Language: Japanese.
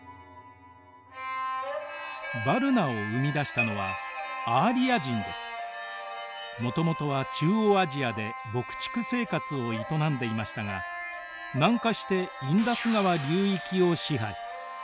ヴァルナを生み出したのはもともとは中央アジアで牧畜生活を営んでいましたが南下してインダス川流域を支配。